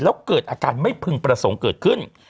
แล้วเกิดอาการไม่พึงประสงค์เกิดขึ้น